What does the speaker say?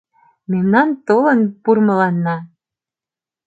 Мемнан толын пурмыланна